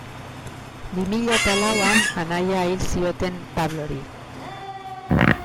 Bi mila eta lauan anaia hil zioten Pablori.